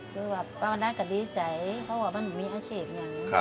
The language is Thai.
คือแบบเราได้ก็ดีใจเพราะว่ามันมีอาชีพเนี่ย